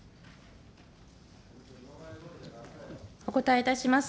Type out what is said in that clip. お答えいたします。